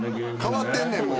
かわってんねんもう。